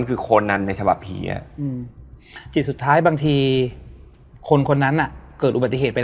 คือเราอยู่ด้วย